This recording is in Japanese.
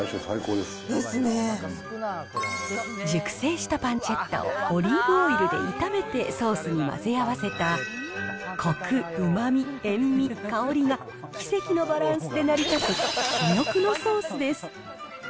パ熟成したパンチェッタをオリーブオイルで炒めてソースに混ぜ合わせた、コク、うまみ、塩味、香りが、奇跡のバランスで成り立つ珠玉のソースです。